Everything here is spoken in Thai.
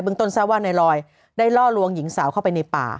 ต้นทราบว่าในลอยได้ล่อลวงหญิงสาวเข้าไปในป่า